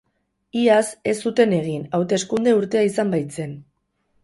Iaz ez zuten egin, hauteskunde urtea izan baitzen.